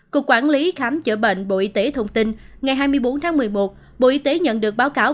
cục quản lý khám chữa bệnh bộ y tế thông tin ngày hai mươi bốn tháng một mươi một bộ y tế nhận được báo cáo